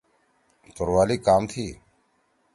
توروالی کام تھی؟